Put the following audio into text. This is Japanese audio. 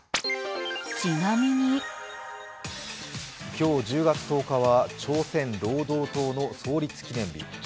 今日１０月１０日は朝鮮労働党の創立記念日。